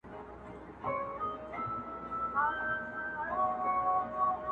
محکمه وه پاچهي د لوی قاضي وه -